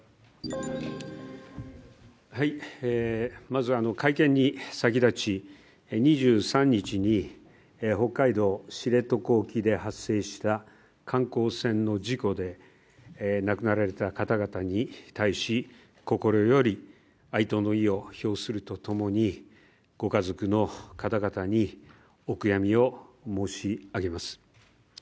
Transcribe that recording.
まず会見に先立ち、２３日に北海道・知床沖で発生した観光船の事故で亡くなられた方々に対し心より哀悼の意を表すると共に、ご家族の方々にお悔やみを申し上げます。